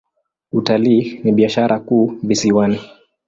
Utalii ni biashara kuu visiwani.